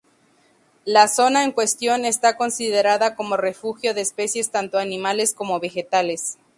La zona en cuestión está considerada como refugio de especies tanto animales como vegetales.